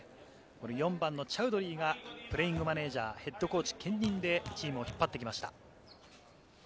４番のチャウドリーがプレイングマネージャー、ヘッドコーチ兼任でチームを引っ張ってきました。